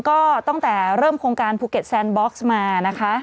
ก็ตั้งแต่เริ่มโครงการภูเก็ตแซนบ็อกซ์มานะคะ